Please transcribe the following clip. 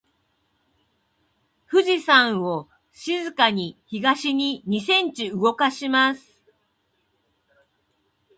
富士山を静かに東に二センチ動かします。